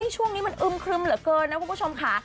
ช่วงนี้มันอึมครึมเหลือเกินนะคุณผู้ชมค่ะ